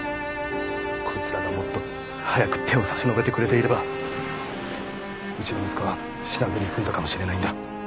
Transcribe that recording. こいつらがもっと早く手を差し伸べてくれていればうちの息子は死なずに済んだかもしれないんだ。